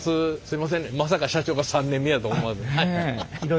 まさか社長が３年目やと思わず。